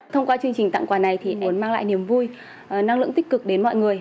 thông qua chương trình tặng quà này thì mang lại niềm vui năng lượng tích cực đến mọi người